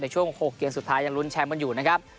ช่วง๖เกมสุดท้ายยังลุ้นแชมป์กันอยู่นะครับ